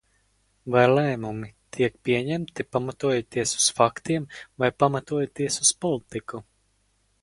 Vai lēmumi tiek pieņemti, pamatojoties uz faktiem vai pamatojoties uz politiku?